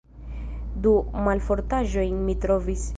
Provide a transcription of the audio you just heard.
Du malfortaĵojn mi trovis.